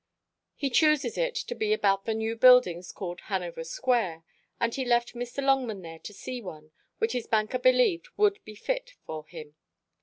He chooses it to be about the new buildings called Hanover Square; and he left Mr. Longman there to see one, which his banker believed would be fit for him.